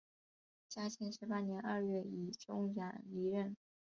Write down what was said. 嘉庆十八年二月以终养离任。